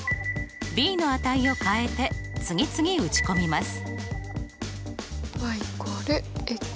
ｂの値を変えて次々打ち込みます。